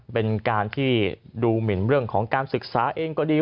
เป็นการที่ดูหมินเรื่องของการศึกษาเองก็ดี